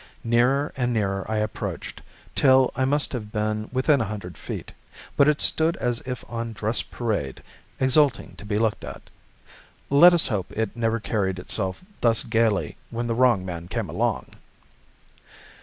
Nearer and nearer I approached, till I must have been within a hundred feet; but it stood as if on dress parade, exulting to be looked at. Let us hope it never carried itself thus gayly when the wrong man came along.